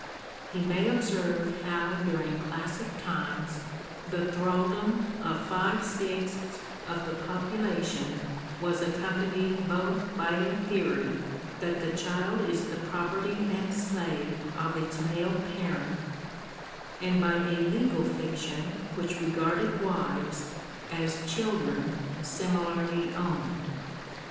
He may observe how during classic times, the thraldom of five sixths of the population was accompanied both by a theory that the child is the pro perty and slave of its male parent, and by a legal fiction which regarded wives, as children similarly owned.